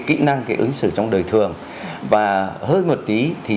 kỹ năng cái ứng xử trong đời thường và hơi một tí thì